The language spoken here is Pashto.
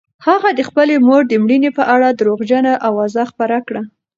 هغه د خپلې مور د مړینې په اړه درواغجنه اوازه خپره کړه.